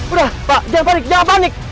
udah pak jangan panik jangan panik